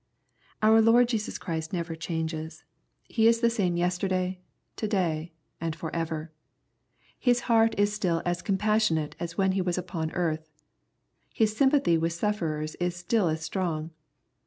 Our Lord Jesus Christ never changes. He is the same * 210 EXPOSITORY THOUGHTS. yesterday^ to day^ and forever. His heart ib still as compassionate as when He was upon earth. His sym pathy with sufferers is still as strong.